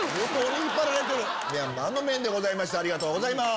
ミャンマーの麺でございましたありがとうございます。